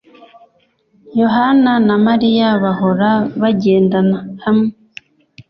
Yohana na Mariya bahora bagendana hamwe